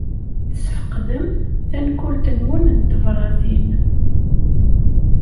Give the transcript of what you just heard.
Tesfeqdem tankult-nwen n tebṛatin.